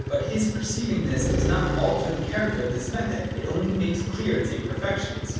But his perceiving this does not alter the character of this method ; it only makes clear its imperfections.